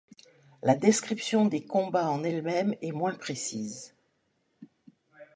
La description des combats en elle-même est moins précise.